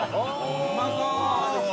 ◆うまそう！